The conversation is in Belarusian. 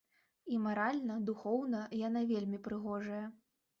І маральна, духоўна яна вельмі прыгожая.